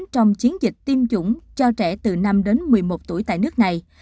trong chiến dịch tiêm chủng cho trẻ từ năm đến một mươi một tuổi tại nước này